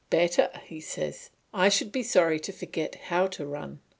"Better," says he; "I should be sorry to forget how to run."